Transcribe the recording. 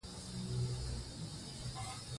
اوږده غرونه د افغانستان د امنیت په اړه هم اغېز لري.